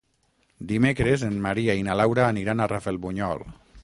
Dimecres en Maria i na Laura aniran a Rafelbunyol.